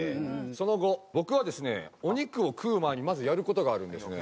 その後僕はですねお肉を食う前にまずやる事があるんですね。